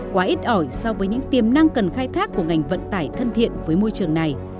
quá ít ỏi so với những tiềm năng cần khai thác của ngành vận tải thân thiện với môi trường này